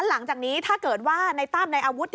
หลังจากนี้ถ้าเกิดว่าในตั้มในอาวุธ